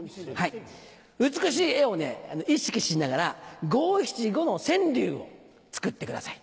美しい絵を意識しながら五・七・五の川柳を作ってください。